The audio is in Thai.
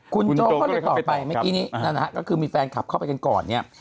คุณโจ๊กก็เลยตอบไปเมื่อกี้นี้นะฮะก็คือมีแฟนคลับเข้าไปกันก่อนเนี่ย